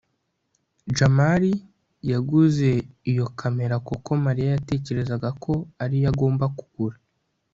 jamali yaguze iyo kamera kuko mariya yatekerezaga ko ari yo agomba kugura